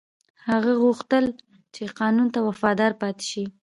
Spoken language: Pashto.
هغه غوښتل چې قانون ته وفادار پاتې شي.